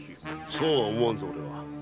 そうは思わんぞ俺は。